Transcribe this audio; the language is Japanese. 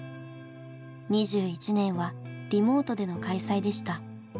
２１年はリモートでの開催でした。